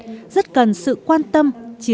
chúng tôi rất cần sự quan tâm